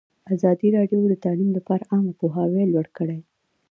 ازادي راډیو د تعلیم لپاره عامه پوهاوي لوړ کړی.